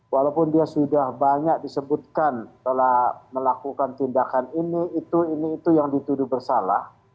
walaupun dia sudah banyak disebutkan telah melakukan tindakan ini itu ini itu yang dituduh bersalah